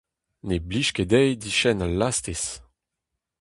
Ne blij ket dezhi diskenn al lastez.